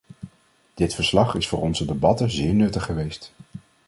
Dit verslag is voor onze debatten zeer nuttig geweest.